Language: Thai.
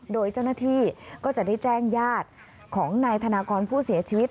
โดยเจ้าหน้าที่ก็จะได้แจ้งญาติของนายธนากรผู้เสียชีวิต